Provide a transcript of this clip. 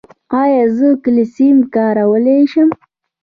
ایا زه کلسیم کارولی شم؟